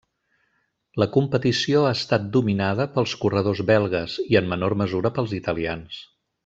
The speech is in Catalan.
La competició ha estat dominada pels corredors belgues i en menor mesura pels italians.